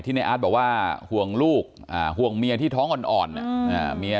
ที่นายอาร์ตบอกว่าห่วงลูกห่วงเมียที่ท้องอ่อนเนี่ย